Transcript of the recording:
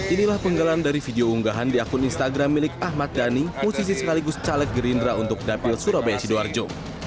inilah penggalan dari video unggahan di akun instagram milik ahmad dhani musisi sekaligus caleg gerindra untuk dapil surabaya sidoarjo